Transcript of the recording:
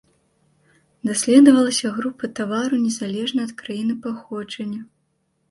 Даследавалася група тавараў незалежна ад краіны паходжання.